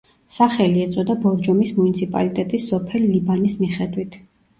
სახელი ეწოდა ბორჯომის მუნიციპალიტეტის სოფელ ლიბანის მიხედვით.